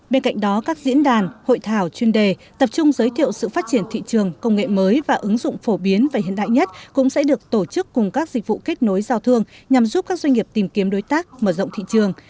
bên cạnh đó các diễn đàn hội thảo chuyên đề tập trung giới thiệu sự phát triển thị trường công nghệ mới và ứng dụng phổ biến và hiện đại nhất cũng sẽ được tổ chức cùng các dịch vụ kết nối giao thương nhằm giúp các doanh nghiệp tìm kiếm đối tác mở rộng thị trường